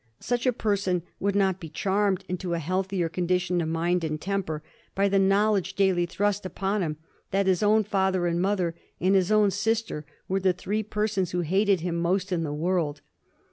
Such a person would not be charmed into a healthier con dition of mind and temper by the knowledge daily thrust upon him that his own father and mother, and his own sister, were the three persons who hated him most in the world.